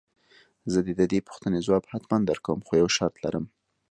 زه دې د دې پوښتنې ځواب حتماً درکوم خو يو شرط لرم.